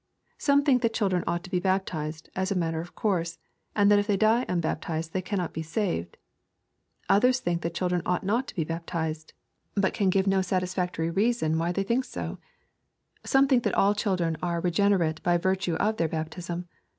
Some think that children ought to be bap tized, as a matter of course, and that if they die unbaptized they cannot be saved. Others think that children ought not to be baptized, but can give no satisfactory reason wh j 12 L 266 EXPOSITORY THOUGHTS they thin k so. ^Some think that all children are regene rate by virtue of their baptism.